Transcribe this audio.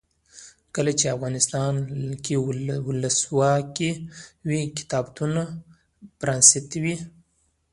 کله چې افغانستان کې ولسواکي وي کتابتونونه پرانیستي وي.